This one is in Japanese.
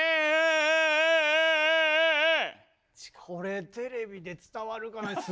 これテレビで伝わるかな。